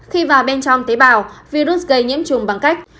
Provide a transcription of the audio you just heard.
khi vào bên trong tế bào virus gây nhiễm trùng bằng cách